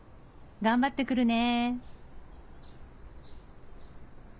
頑張ってくるね」。